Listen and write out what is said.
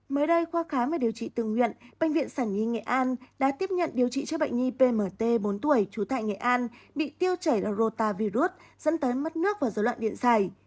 mới đây khoa khám về điều trị tương nguyện bệnh viện sản nhi nghệ an đã tiếp nhận điều trị cho bệnh nhi pmt bốn tuổi chú thạnh nghệ an bị tiêu chảy đau rotavirus dẫn tới mất nước và dấu loạn điện xảy